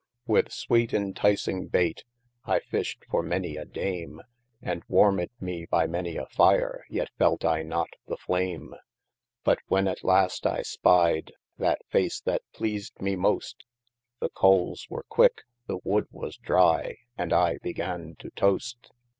With sweete entising baite, I fisht for manie a dame, And warmed me by manie a fire, yet felt I not the flame : But when at last I spied, that face that pleasde me most, The coales were quicke, the woode was drie, & I began to tost.